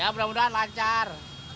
ya mudah mudahan lancar